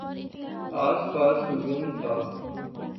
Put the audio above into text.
آس پاس ہجوم تھا۔